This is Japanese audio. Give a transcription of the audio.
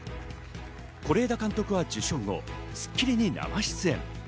是枝監督は受賞後、『スッキリ』に生出演。